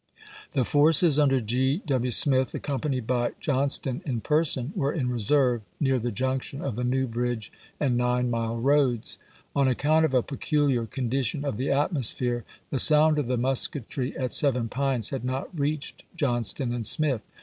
The forces under Gr. W. Smith, accompanied by Johnston in person, were in reserve near the junc tion of the New Bridge and Nine mile roads. On account of a peculiar condition of the atmosphere, the sound of the musketry at Seven Pines had not reached Johnston and Smith.